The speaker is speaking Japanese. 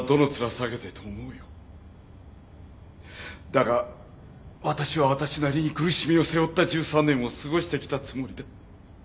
だが私は私なりに苦しみを背負った１３年を過ごしてきたつもりだ。